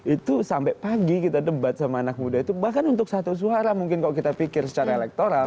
itu sampai pagi kita debat sama anak muda itu bahkan untuk satu suara mungkin kalau kita pikir secara elektoral